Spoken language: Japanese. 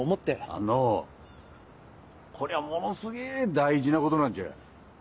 あんのこりゃものすげぇ大事なことなんちゃ。